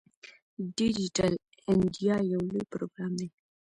ډیجیټل انډیا یو لوی پروګرام دی.